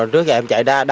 trước kia em chạy đá